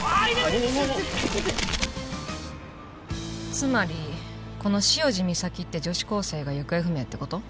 つまりこの潮路岬って女子高生が行方不明って事？